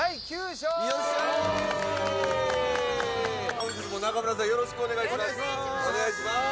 本日も中村さん、よろしくお願いします。